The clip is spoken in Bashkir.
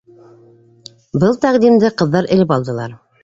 Был тәҡдимде ҡыҙҙар элеп алдылар.